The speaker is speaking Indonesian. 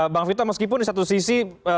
bang vito meskipun di satu sisi